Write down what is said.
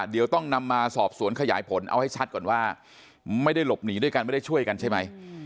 เดี๋ยวต้องนำมาสอบสวนขยายผลเอาให้ชัดก่อนว่าไม่ได้หลบหนีด้วยกันไม่ได้ช่วยกันใช่ไหม